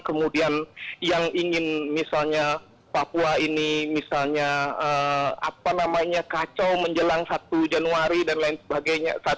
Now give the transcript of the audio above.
kemudian yang ingin misalnya papua ini misalnya kacau menjelang satu januari dan lain sebagainya